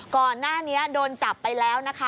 ก่อนหน้านี้โดนจับไปแล้วนะคะ